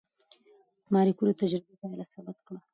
ماري کوري د تجربې پایله ثبت کړه.